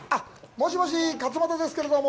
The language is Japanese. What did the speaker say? もしもし、勝俣ですけれども。